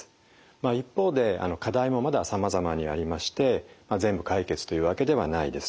まあ一方で課題もまださまざまにありまして全部解決というわけではないです。